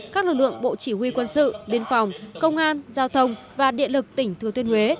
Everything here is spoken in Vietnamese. các lực lượng bộ chỉ huy quân sự biên phòng công an giao thông và địa lực tỉnh thừa tuyên huế